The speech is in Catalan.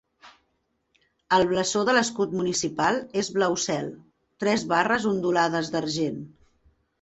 El blasó de l'escut municipal és blau cel, tres barres ondulades d'argent.